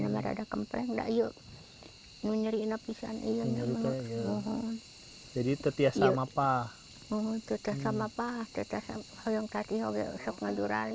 nanti kaloisés produknya tidak lebih besar juga harus dilakukan dari mu